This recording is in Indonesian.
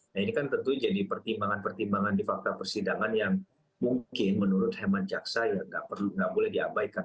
nah ini kan tentu jadi pertimbangan pertimbangan di fakta persidangan yang mungkin menurut hemat jaksa ya nggak boleh diabaikan